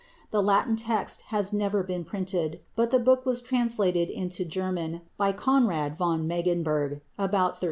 The Latin text has never been printed, but the book was translated into German by Konrad von Megenberg about 1350.